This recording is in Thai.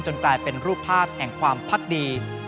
กลายเป็นรูปภาพแห่งความพักดี